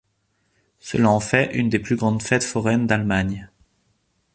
Cela en fait une des plus grandes fêtes foraines d'Allemagne.